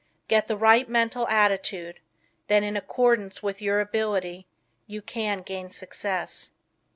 Get the right mental attitude, then in accordance with your ability you can gain success.